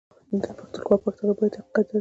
ده پښتونخوا پښتانه بايد حقيقت درک کړي